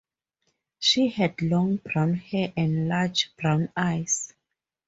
She had long brown hair and large brown eyes.